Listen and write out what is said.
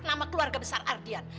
nama keluarga besar ardian